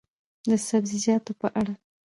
د سبزیجاتو په اړه: